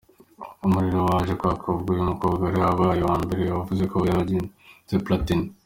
Umuriro waje kwaka ubwo uyu mukobwa ariwe wabaye uwa mbere wavuze ko yabenze Platini.